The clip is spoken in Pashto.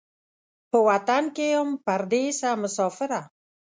په وطن کې یم پردېسه مسافره